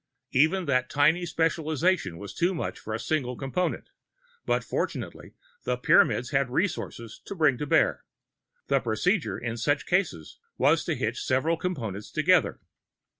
Even that tiny specialization was too much for a single Component, but fortunately the Pyramids had resources to bring to bear. The procedure in such cases was to hitch several Components together.